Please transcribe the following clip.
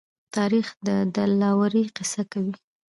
تاریخ د دلاورۍ قصه کوي.